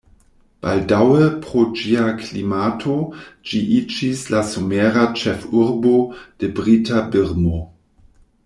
Baldaŭe pro ĝia klimato ĝi iĝis la somera ĉefurbo de brita Birmo.